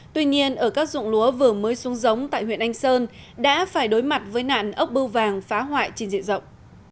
tuy nhiên ở các dụng lúa vừa mới xuống giống tại huyện anh sơn đã phải đối mặt với nạn ốc bưu vàng phá hoại trên diện rộng